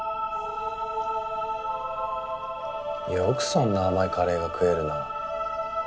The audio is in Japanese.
よくそんな甘いカレーが食えるな。